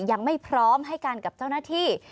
ยังไม่พร้อมให้การกับเจ้าหน้าที่